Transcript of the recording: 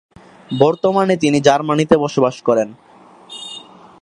বর্তমানে তিনি জার্মানিতে বসবাস করেন।